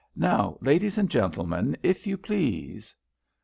Now, ladies and gentlemen, if you please!"